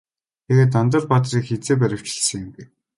Тэгээд Дандар баатрыг хэзээ баривчилсан юм бэ?